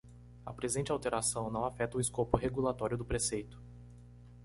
A presente alteração não afeta o escopo regulatório do preceito.